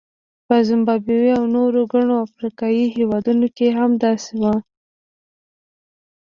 په زیمبابوې او نورو ګڼو افریقایي هېوادونو کې هم داسې وو.